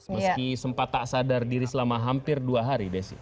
meski sempat tak sadar diri selama hampir dua hari desi